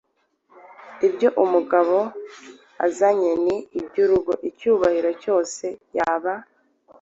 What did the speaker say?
Ibyo umugore azanye ni iby’urugo, icyubahiro cyose yaba